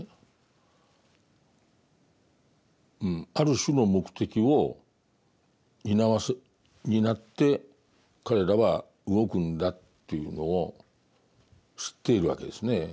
ある種の目的を担って彼らは動くんだというのを知っているわけですね。